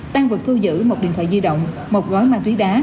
tăng vật thu giữ một điện thoại di động một gói ma túy đá